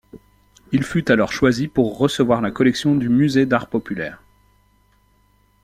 Il fut alors choisi pour recevoir la collection du Musée d’Art Populaire.